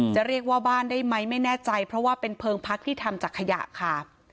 จะเรียกว่าบ้านได้ไหมไม่แน่ใจเพราะว่าเป็นเพลิงพักที่ทำจากขยะค่ะ